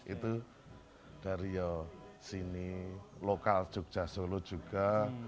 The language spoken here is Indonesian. itu dari sini lokal jogja solo juga